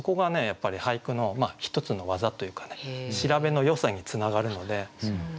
やっぱり俳句の一つの技というか調べのよさにつながるのでいい質問ですね。